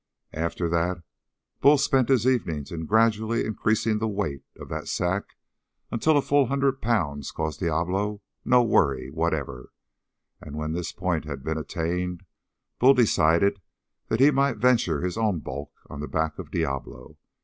After that, Bull spent his evenings in gradually increasing the weight of that sack until a full hundred pounds caused Diablo no worry whatever, and when this point had been attained, Bull decided that he might venture his own bulk on the back of Diablo.